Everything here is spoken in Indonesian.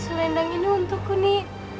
selendang ini untukku nini